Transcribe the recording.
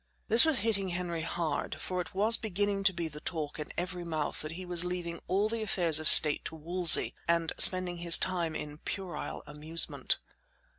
This was hitting Henry hard, for it was beginning to be the talk in every mouth that he was leaving all the affairs of state to Wolsey and spending his time in puerile amusement.